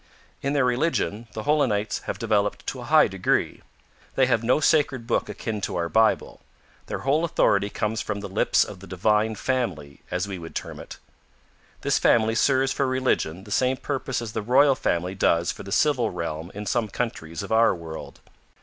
In their religion, the Holenites have developed to a high degree. They have no sacred book akin to our Bible. Their whole authority comes from the lips of the Divine Family, as we would term it. This family serves for religion the same purpose as the Royal Family does for the civil realm in some countries of our world.